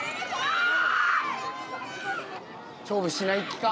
勝負しない気か？